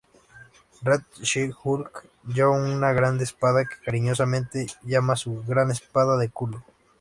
Red She-Hulk lleva una gran espada que cariñosamente llama su "gran espada de culo".